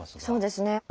そうですね。